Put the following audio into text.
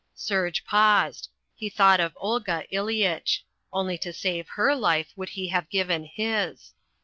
Serge paused. He thought of Olga Ileyitch. Only to save her life would he have given his.